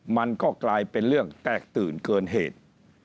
มันก็กลายเป็นเรื่องแตกตื่นเกินเหตุ